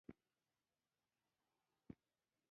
ځوانان د سیاست په ډګر کي د بدلون راوستونکي دي.